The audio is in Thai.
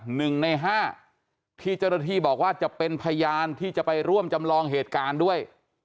หนึ่งในห้าที่เจ้าหน้าที่บอกว่าจะเป็นพยานที่จะไปร่วมจำลองเหตุการณ์ด้วย